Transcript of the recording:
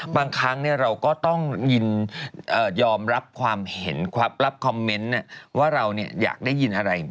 บางครั้งเราก็ต้องยอมรับความเห็นรับคอมเมนต์ว่าเราอยากได้ยินอะไร